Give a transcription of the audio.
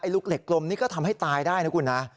ลูกเหล็กกลมนี่ก็ทำให้ตายได้นะคุณนะ